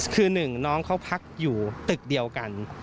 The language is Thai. คือหนึ่งน้องเขาพักอยู่ตึกเดียวกัน